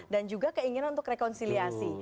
dan juga keinginan untuk rekonsiliasi